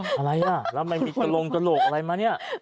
อะไรอ่ะแล้วมันมีกระลงกระโหลกอะไรมาเนี่ย